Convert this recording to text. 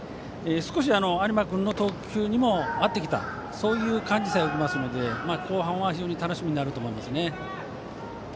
少し有馬君の投球にも合ってきたそういう感じもありますので後半は非常に楽しみになると思いますね。